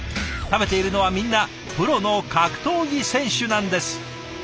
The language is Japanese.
食べているのはみんなプロの格闘技選手なんです。